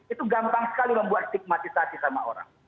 itu gampang sekali membuat stigmatisasi sama orang